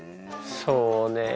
そうねえ。